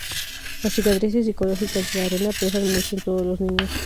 Las cicatrices psicológicas de la "Arena" pesan mucho en todos los niños.